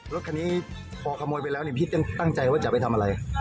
รถคันนี้พอขโมยไปแล้วเนี่ยพีชยังตั้งใจว่าจะไปทำอะไร